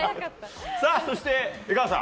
そして、江川さん